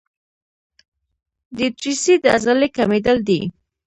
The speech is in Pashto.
د ایټریسي د عضلې کمېدل دي.